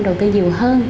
đầu tiên nhiều hơn